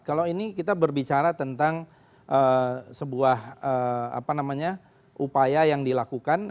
kalau ini kita berbicara tentang sebuah upaya yang dilakukan